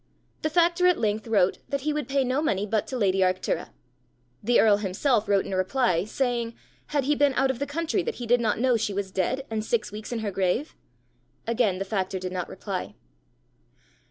The factor at length wrote that he would pay no money but to lady Arctura. The earl himself wrote in reply, saying had he been out of the country that he did not know she was dead and six weeks in her grave? Again the factor did not reply.